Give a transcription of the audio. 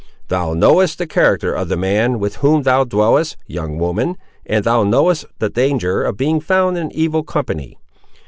Thou knowest the character of the man with whom thou dwellest, young woman, and thou also knowest the danger of being found in evil company.